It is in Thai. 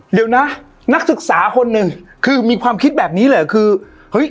เดี๋ยวนะนักศึกษาคนหนึ่งคือมีความคิดแบบนี้เลยเหรอคือเฮ้ย